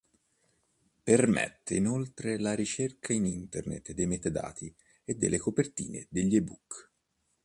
Permette inoltre la ricerca in internet dei metadati e delle copertine degli eBook.